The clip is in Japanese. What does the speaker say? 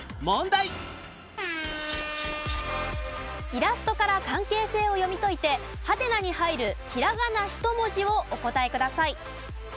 イラストから関係性を読み解いてハテナに入るひらがな１文字をお答えください。